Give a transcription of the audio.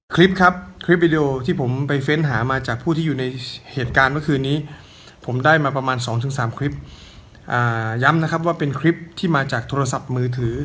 คลิปครับคลิปวิดีโอที่ผมไปเฟ้นหามาจากผู้ที่อยู่ในเหตุการณ์เมื่อคืนนี้ผมได้มาประมาณ๒๓คลิปย้ำนะครับว่าเป็นคลิปที่มาจากโทรศัพท์มือถือ